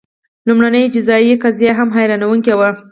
لومړنۍ جزايي قضیه هم حیرانوونکې وه.